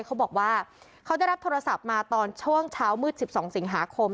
เขาบอกว่าเขาได้รับโทรศัพท์มาตอนช่วงเช้ามืด๑๒สิงหาคม